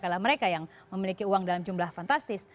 adalah mereka yang memiliki uang dalam jumlah fantastis